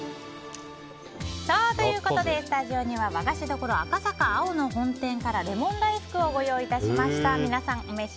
スタジオには和菓子処、赤坂青野本店かられもん大福をご用意しました。